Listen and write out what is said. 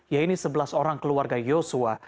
yaitu sebelas orang keluarga yosua